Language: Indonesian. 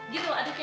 gitu aduk ya